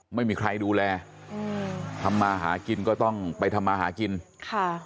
ไม่มีใครดูแลอืมทำมาหากินก็ต้องไปทำมาหากินค่ะ